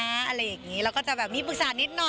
อะไรอย่างนี้เราก็จะแบบมีปรึกษานิดหน่อย